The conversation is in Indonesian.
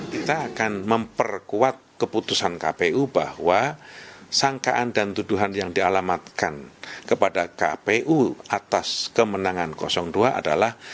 kita akan memperkuat keputusan kpu bahwa sangkaan dan tuduhan yang dialamatkan kepada kpu atas kemenangan dua adalah